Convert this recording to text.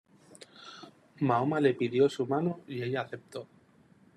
Mahoma le pidió su mano y ella aceptó.